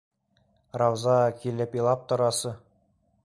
Рауза килеп илап торасы?!